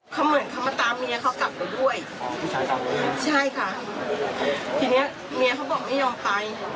เขาเหมือนเขามาตามเมียเขากลับมาด้วยใช่ค่ะทีนี้เมียเขาบอกไม่ยอมไป